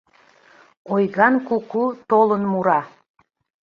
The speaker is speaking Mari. Ойган куку толын мура.